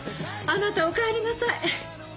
あなたおかえりなさい。